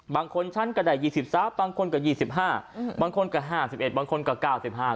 บางคนชั้นกระด่าย๒๓บางคนกระด่าย๒๕บางคนกระด่าย๕๑บางคนกระด่าย๙๕